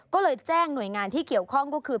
ก็เลยแจ้งหน่วยงานที่เกี่ยวข้องก็คือ